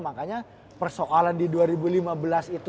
makanya persoalan di dua ribu lima belas itu